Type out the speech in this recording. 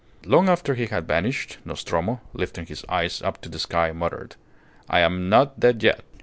Long after he had vanished, Nostromo, lifting his eyes up to the sky, muttered, "I am not dead yet."